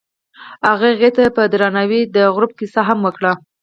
هغه هغې ته په درناوي د غروب کیسه هم وکړه.